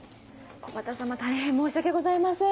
木幡様大変申し訳ございません。